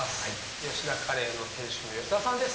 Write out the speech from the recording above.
吉田カレーの店主の吉田さんです。